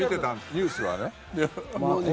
ニュースはね。